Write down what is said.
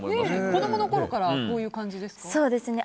子供のころからこういう感じですか？